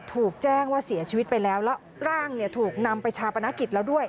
ถูกแจ้งว่าเสียชีวิตไปแล้วแล้วร่างเนี่ยถูกนำไปชาปนกิจแล้วด้วย